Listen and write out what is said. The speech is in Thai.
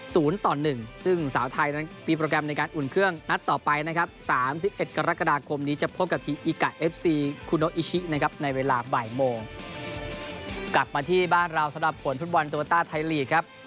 กลับมาที่บ้านเราสำหรับผลพุทธวันตัวต้าไทยลีกครับ